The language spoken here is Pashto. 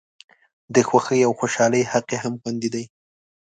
د خوښۍ او خوشالۍ حق یې هم خوندي دی.